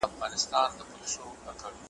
نه پېچومي کږلېچونه نه په مخ کي ورکي لاري ,